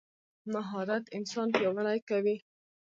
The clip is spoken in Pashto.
مهارت انسان پیاوړی کوي.